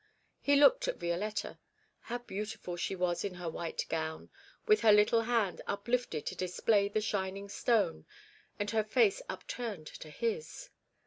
He looked at Violetta. How beautiful she was in her white gown, with her little hand uplifted to display the shining stone, and her face upturned to his!